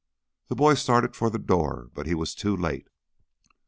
The boy started for the door, but he was too late.